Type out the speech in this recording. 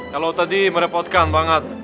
kalau tadi merepotkan banget